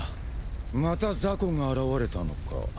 またザコが現れたのか。